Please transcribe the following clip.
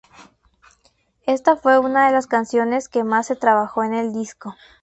Esta fue una de las canciones que más se trabajó en el disco.